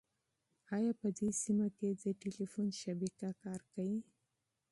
ایا په دې سیمه کې د تېلیفون شبکه کار کوي؟